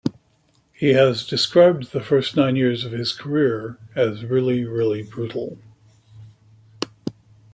He has described the first nine years of his career as really, really brutal.